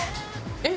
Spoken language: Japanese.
えっ！